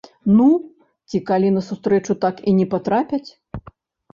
Ну, ці калі на сустрэчу так і не патрапяць.